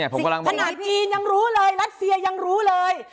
ขนาดจีนยังรู้เลยรัสเซียยังรู้เลย